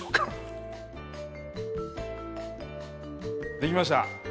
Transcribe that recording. できました。